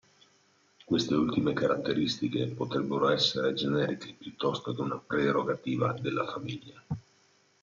Queste ultime caratteristiche potrebbero essere generiche, piuttosto che una prerogativa della famiglia.